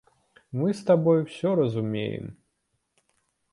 Мы з табой усё разумеем.